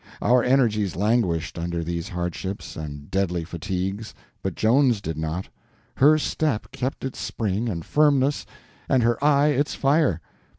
Our energies languished under these hardships and deadly fatigues, but Joan's did not. Her step kept its spring and firmness and her eye its fire.